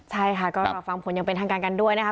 ใช่ค่ะก็รอฟังผลอย่างเป็นทางการกันด้วยนะคะ